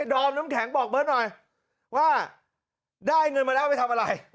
ดอมน้ำแข็งบอกเบิร์ตหน่อยว่าได้เงินมาแล้วไปทำอะไร